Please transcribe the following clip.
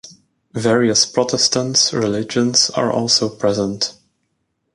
Various Protestants religions are also present.